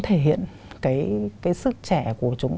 thể hiện cái sức trẻ của chúng